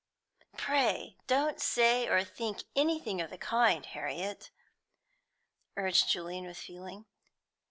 "Pray don't say or think anything of the kind, Harriet," urged Julian with feeling.